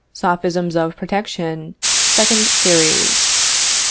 SOPHISMS OF PROTECTION. SECOND SERIES.